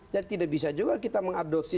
jadi tidak bisa juga kita mengadopsi